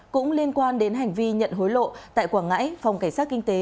cũng liên quan đến hành vi nhận hối lộ tại quảng ngãi phòng cảnh sát kinh tế